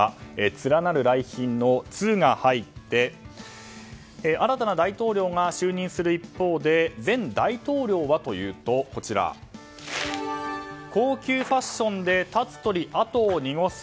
連なる来賓の「ツ」が入って新たな大統領が就任する一方で前大統領はというと高級ファッションで立つ鳥跡を濁す。